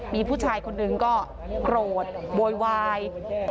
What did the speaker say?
มีผู้ชายคนหนึ่งก็โกรธโวยวาย